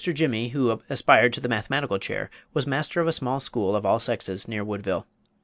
Jimmy, who aspired to the mathematical chair, was master of a small school of all sexes, near Woodville.